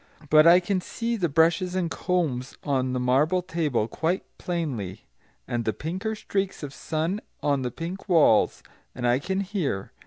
But I can see the brushes and combs on the marble table quite plainly, and the pinker streaks of sun on the pink walls. And I can hear.